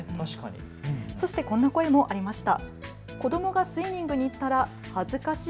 そしてこんな声もありました。